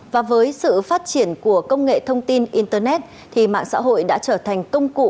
và với sự phát triển của công nghệ thông tin internet thì mạng xã hội đã trở thành công cụ